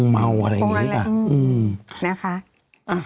เม่าอะไรอย่างนี้ค่ะนะคะ